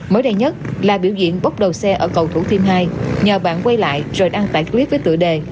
mới đây nhất là biểu diễn bốc đầu xe ở cầu thủ thiêm hai nhờ bạn quay lại rồi đăng tải clip với tựa đề